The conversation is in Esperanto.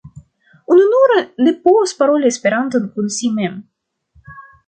Ununura ne povas paroli Esperanton kun si mem.